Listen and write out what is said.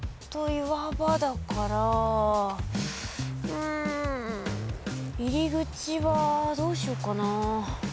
うん入り口はどうしようかな。